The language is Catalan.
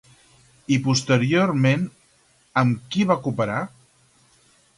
I posteriorment amb qui va cooperar?